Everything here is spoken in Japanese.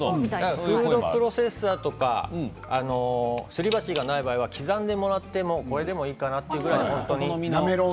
フードプロセッサーやすり鉢がない場合は刻んでもあってもこれでもいいかなって。